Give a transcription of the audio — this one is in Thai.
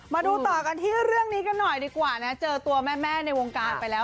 มาดูต่อกันที่เรื่องนี้กันหน่อยดีกว่านะเจอตัวแม่ในวงการไปแล้ว